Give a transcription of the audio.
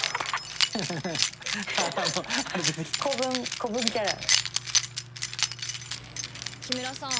子分子分キャラ。